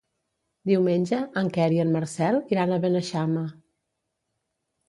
Diumenge en Quer i en Marcel iran a Beneixama.